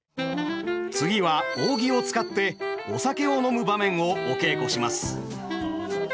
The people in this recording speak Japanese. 次は扇を使ってお酒を飲む場面をお稽古します。